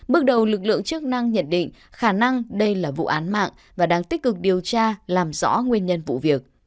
bước đầu lực lượng chức năng nhận định khả năng đây là vụ án mạng và đang tích cực điều tra làm rõ nguyên nhân vụ việc